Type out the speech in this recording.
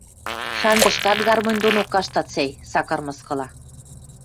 — Шандышкат гармонь донок каштат, сӓй, — Сакар мыскыла.